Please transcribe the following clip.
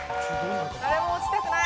誰も落ちたくない。